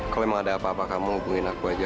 kalau memang ada apa apa kamu hubungin aku aja